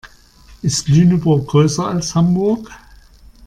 Ist Lüneburg größer als Hamburg?